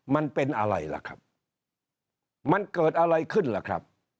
มันเป็นอะไรล่ะครับมันเกิดอะไรขึ้นล่ะครับ